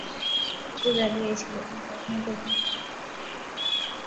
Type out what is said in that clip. অপু জাগিয়াই ছিল, কিন্তু এখনও পর্যন্ত কোন কথা বলে নাই।